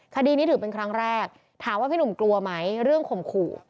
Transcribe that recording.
คดีนี้ถือเป็นครั้งแรกถามว่าพี่หนุ่มกลัวไหมเรื่องข่มขู่